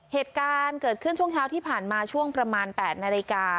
เหตุการณ์เกิดขึ้นช่วงเช้าที่ผ่านมาช่วงประมาณ๘นาฬิกา